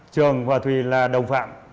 trường và thùy là đồng phạm